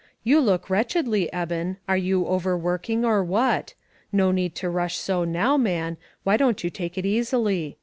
You look wretchedly, Eben, are you overworking, or what ? No need to rush so now, man ; why don't you take it easily?